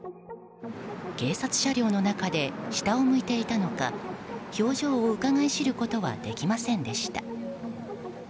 警察車両の中で下を向いていたのか表情をうかがい知ることはできませんでした。